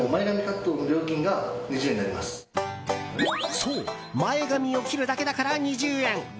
そう前髪を切るだけだから２０円。